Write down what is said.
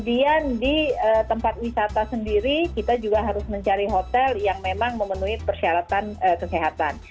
dan di tempat wisata sendiri kita juga harus mencari hotel yang memang memenuhi persyaratan kesehatan